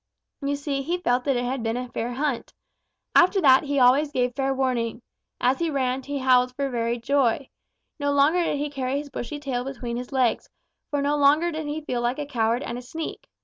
You see, he felt that it had been a fair hunt. After that he always gave fair warning. As he ran, he howled for very joy. No longer did he carry his bushy tail between his legs, for no longer did he feel like a coward and a sneak.